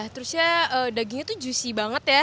terusnya dagingnya tuh juicy banget ya